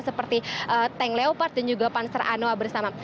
seperti tank leopard dan juga panser anoa bersama